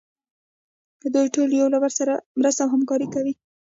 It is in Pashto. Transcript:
دوی ټول یو له بل سره مرسته او همکاري کوي.